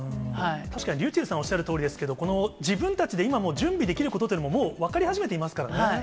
確かにｒｙｕｃｈｅｌｌさんがおっしゃるとおりですけど、この自分たちで今、準備できることというのももう分かり始めていますからね。